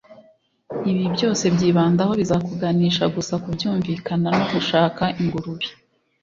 ibi byose byibandaho bizakuganisha gusa kubyunvikana no gushaka ingurube